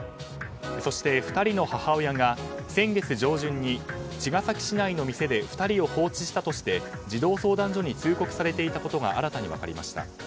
そして２人の母親が先月上旬に茅ヶ崎市内の店で２人を放置したとして児童相談所に通告されていたことが新たに分かりました。